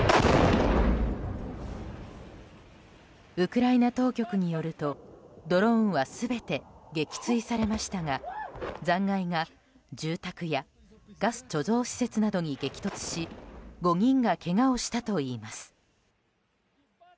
ウクライナ当局によるとドローンは全て撃墜されましたが残骸が住宅やガス貯蔵施設などに激突し５人がけがをしたといいます。